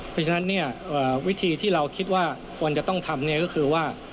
เพราะฉะนั้นเนี่ยวิธีที่เราคิดว่าควรจะต้องทำก็คือว่า